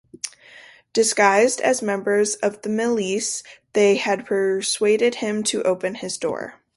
Disguised as members of the Milice, they had persuaded him to open his door.